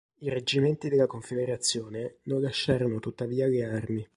I reggimenti della Confederazione non lasciarono tuttavia le armi.